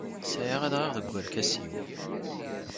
Sɛiɣ adɣaɣ deg urkas-iw.